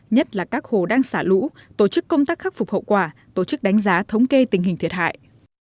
nhất là các hồ đang xả lũ tổ chức công tác khắc phục hậu quả tổ chức đánh giá thống kê tình hình thiệt hại